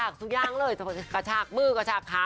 กระชากมือกระชากขา